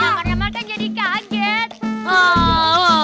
jangan jangan kan jadi kaget